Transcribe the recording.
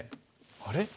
あれ？